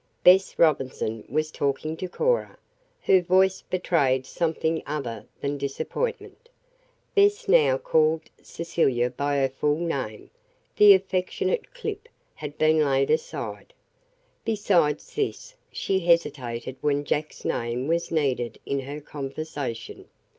Bess Robinson was talking to Cora. Her voice betrayed something other than disappointment. Bess now called Cecilia by her full name the affectionate "Clip" had been laid aside. Besides this she hesitated when Jack's name was needed in her conversation.